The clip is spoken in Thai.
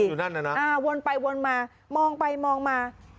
อยู่นั่นน่ะนะอ่าวนไปวนมามองไปมองมา